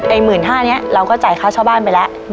ไอ้หมื่นห้านี้เราก็จ่ายค่าเช่าบ้านไปละ